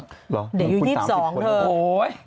เหรอคุณที่๓๐คนเหรอโอ๊ยแล้วคุณ๒๒คันสงสัย